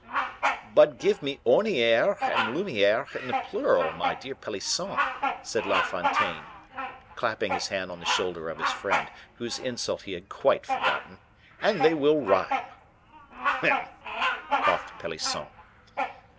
"But give me ornieres and lumieres in the plural, my dear Pelisson," said La Fontaine, clapping his hand on the shoulder of his friend, whose insult he had quite forgotten, "and they will rhyme." "Hem!" coughed Pelisson.